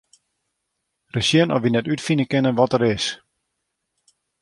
Ris sjen oft wy net útfine kinne wa't er is.